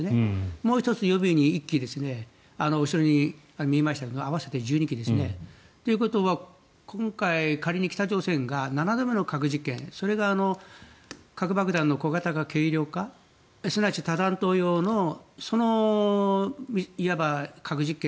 もう１つ、予備に１基後ろに見えましたが合わせて１２基ですね。ということは今回仮に北朝鮮が７度目の核実験それが核爆弾の小型化、軽量化すなわち多弾頭用のいわば核実験